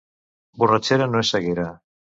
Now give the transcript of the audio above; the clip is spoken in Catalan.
Borratxera no és ceguera.